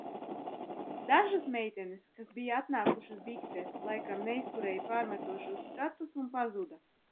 Dažas meitenes, kas bija atnākušas biksēs laikam neizturēja pārmetošos skatus un pazuda.